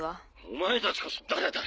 お前たちこそ誰だ？